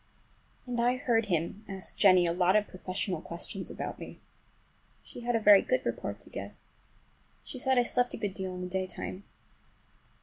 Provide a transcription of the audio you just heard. And I heard him ask Jennie a lot of professional questions about me. She had a very good report to give. She said I slept a good deal in the daytime.